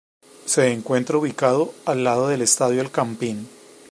Se encuentra ubicado al lado del estadio El Campín.